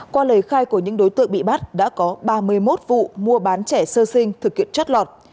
qua lời khai của những đối tượng bị bắt đã có ba mươi một vụ mua bán trẻ sơ sinh thực hiện trót lọt